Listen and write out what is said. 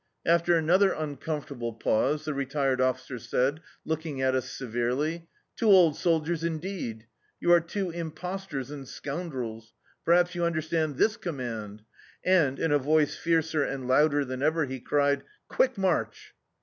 After an other uncomfortable pause the retired officer said, looking at ms severely — "Two old soldiers, indeed! You are two imposters and scoundrels ! Perhaps you understand this command" — and in a voice fiercer and louder than ever he cried, "Quick March!"